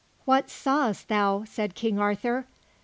"What saw'st thou?" said Sir Arthur.